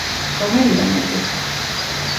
რომელია მეტი?